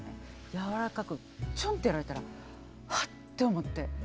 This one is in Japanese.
柔らかくちょんとやられたら「あ」って思って。